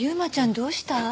どうした？